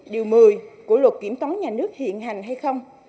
điều một mươi của luật kiểm toán nhà nước hiện hành hay không